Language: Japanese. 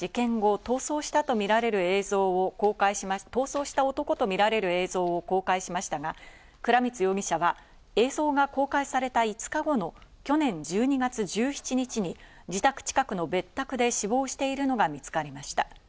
警視庁は事件後、逃走した男とみられる映像を公開しましたが、倉光容疑者は映像が公開された５日後の去年、１２月１７日に自宅近くの別宅で死亡しているのが見つかりました。